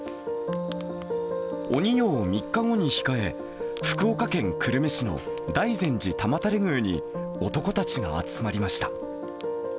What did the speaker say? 鬼夜を３日後に控え、福岡県久留米市の大善寺玉垂宮に男たちが集まりました。